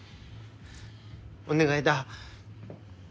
お願いだ。